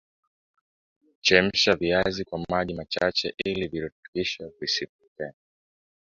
chemsha viazi kwa maji machache ili virutubisho visipotee